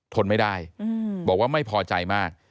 ทนไม่ได้บอกว่าไม่พอใจมาก